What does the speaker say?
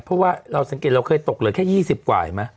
เพราะว่าเราสังเกตเราเคยตกเหลือแค่๒๐กว่าเห็นไหม